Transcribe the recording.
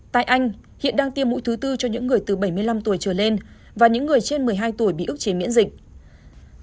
tại anh hiện đang tiêm mũi thứ tư cho những người từ bảy mươi năm tuổi trở lên và những người trên một mươi hai tuổi bị ước chế miễn dịch